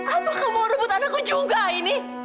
apa kamu ngerebut anakku juga ainy